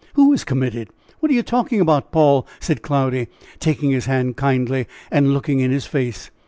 "Who is committed? What are you talking about, Paul?" said Cloudy, taking his hand kindly and looking in his face.